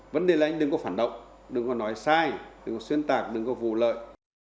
vấn đề là anh đừng có phản động đừng có nói sai đừng có xuyên tạc đừng có vụ lợi